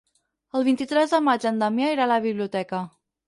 El vint-i-tres de maig en Damià irà a la biblioteca.